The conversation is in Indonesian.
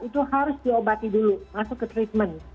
itu harus diobati dulu masuk ke treatment